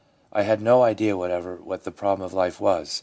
I had no idea what ever what the problem of life was.